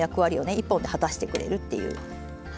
１本で果たしてくれるっていう。